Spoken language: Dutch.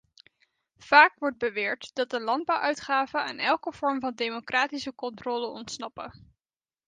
Vaak wordt beweerd dat de landbouwuitgaven aan elke vorm van democratische controle ontsnappen.